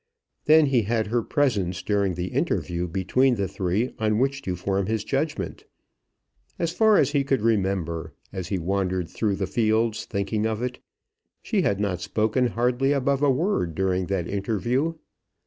Then he had her presence during the interview between the three on which to form his judgment. As far as he could remember, as he wandered through the fields thinking of it, she had not spoken hardly above a word during that interview.